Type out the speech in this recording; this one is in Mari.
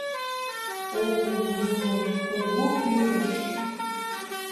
— О Кугу Юмо, Кугу Пӱрыш!